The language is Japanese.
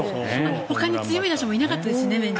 ほかに強い打者もいなかったですし。